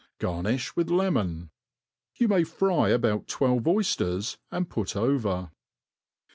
Garnifli witli lemon. You may fry about twelve oyfters and put over.